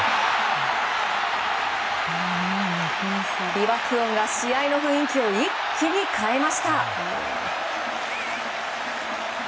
美爆音が試合の雰囲気を一気に変えました。